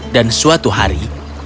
dan suatu hari